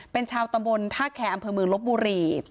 เป็นชาวตำรวจถ้าแข่อำเภอเมืองรถบุรี